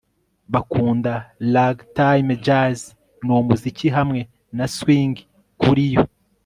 Bakunda ragtime jazz numuziki hamwe na swing kuri yo